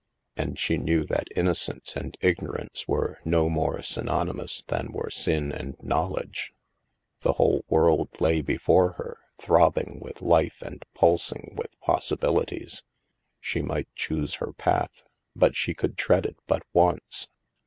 And she knew that innocence and ig norance were no more synonymous than were sin and knowledge. The whole world lay before her, throbbing with life and pulsing with possibilities. She might choose her path, but she could tread it but once.